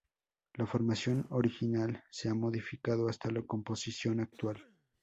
La formación original se ha modificado hasta la composición actual.